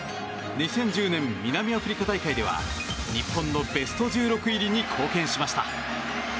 ２０１０年、南アフリカ大会では日本のベスト１６入りに貢献しました。